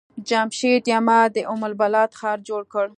جمشيد يما د ام البلاد ښار جوړ کړ.